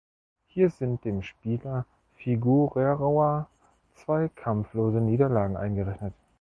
Hier sind dem Spieler Figueroa zwei kampflose Niederlagen eingerechnet.